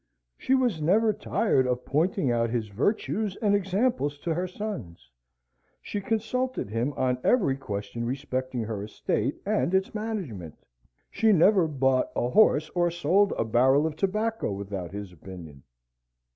She was never tired of pointing out his virtues and examples to her sons. She consulted him on every question respecting her estate and its management. She never bought a horse or sold a barrel of tobacco without his opinion.